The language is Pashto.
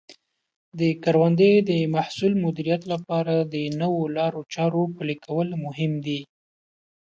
د کروندې د محصول مدیریت لپاره د نوو لارو چارو پلي کول مهم دي.